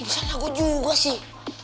insan lah gue juga sih